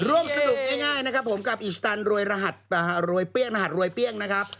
ร่วมสนุกง่ายนะครับผมกับอีชด์ตันโรยรหัฐรวยเปี้ยงนะครับ